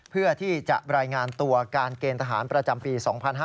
เพื่อที่จะรายงานตัวการเกณฑ์ทหารประจำปี๒๕๕๙